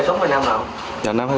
cây súng là năm nào